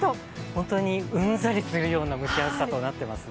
本当にうんざりするような蒸し暑さとなっていますね。